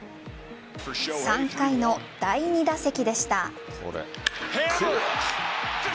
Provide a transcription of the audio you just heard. ３回の第２打席でした。